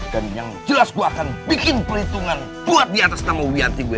dan yang jelas gua akan bikin perhitungan buat diatas nama wianti gue